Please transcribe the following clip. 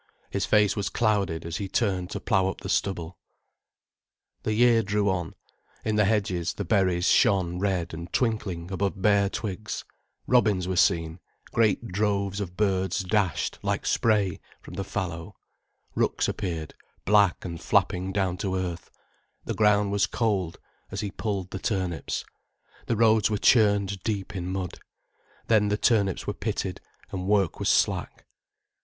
His face was clouded as he turned to plough up the stubble. The year drew on, in the hedges the berries shone red and twinkling above bare twigs, robins were seen, great droves of birds dashed like spray from the fallow, rooks appeared, black and flapping down to earth, the ground was cold as he pulled the turnips, the roads were churned deep in mud. Then the turnips were pitted and work was slack.